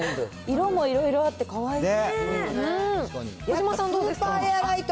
色もいろいろあって、かわいい。